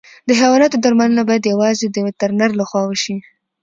د حیواناتو درملنه باید یوازې د وترنر له خوا وشي.